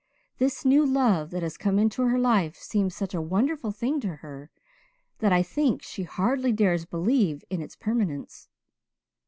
This new love that has come into her life seems such a wonderful thing to her that I think she hardly dares believe in its permanence.